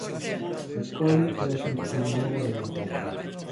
Bitcoin é a criptomoeda de moda